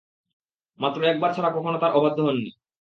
মাত্র একবার ছাড়া কখনো তার অবাধ্য হননি।